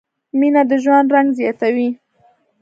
مینه د ژوند رنګ زیاتوي.